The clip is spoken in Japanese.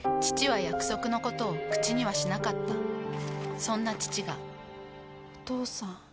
父は約束のことを口にはしなかったそんな父がお父さん。